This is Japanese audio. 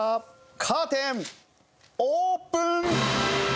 カーテンオープン！